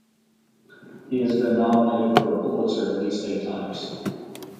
He has been nominated for a Pulitzer at least eight times.